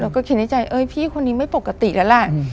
ก็คิดในใจเอ้ยพี่คนนี้ไม่ปกติแล้วล่ะ